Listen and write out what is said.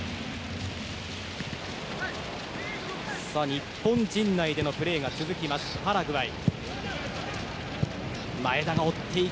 日本陣内でのプレーが続きますパラグアイ。